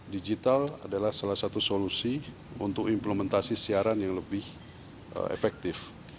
digital adalah salah satu solusi untuk implementasi siaran yang lebih efektif